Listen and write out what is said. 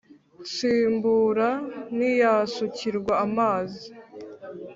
Ntsibura ntiyasukirwa amazi